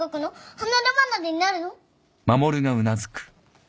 離れ離れになるの？